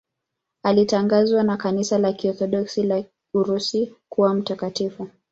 Alitangazwa na Kanisa la Kiorthodoksi la Urusi kuwa mtakatifu.